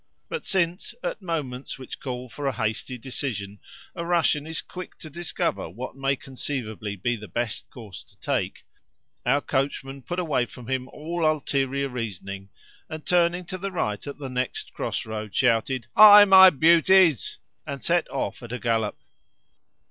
But since, at moments which call for a hasty decision, a Russian is quick to discover what may conceivably be the best course to take, our coachman put away from him all ulterior reasoning, and, turning to the right at the next cross road, shouted, "Hi, my beauties!" and set off at a gallop.